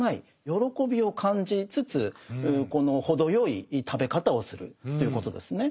喜びを感じつつこの程よい食べ方をするということですね。